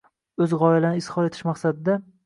o‘z g‘oyalarini izhor etish maqsadida